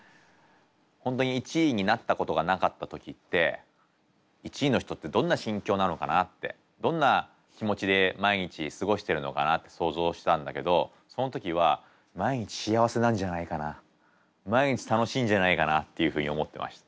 本当に１位になったことがなかった時って１位の人ってどんな心境なのかなってどんな気持ちで毎日過ごしてるのかなって想像してたんだけどその時は毎日幸せなんじゃないかな毎日楽しいんじゃないかなっていうふうに思ってました。